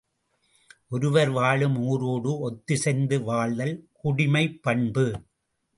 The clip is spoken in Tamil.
ஒருவர் வாழும் ஊரோடு ஒத்திசைந்து வாழ்தல் குடிமைப் பண்பு.